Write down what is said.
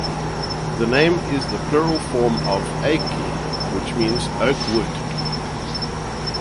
The name is the plural form of "eiki" which means "oak wood".